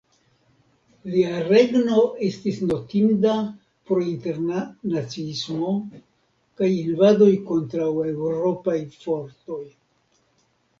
Lia regno estis notinda pro interna naciismo kaj invadoj kontraŭ Eŭropaj fortoj.